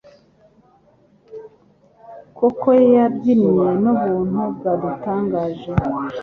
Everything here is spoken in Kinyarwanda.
Yoko yabyinnye nubuntu bwadutangaje.